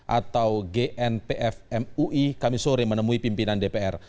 atau gnpf mui kami sore menemui pimpinan dpr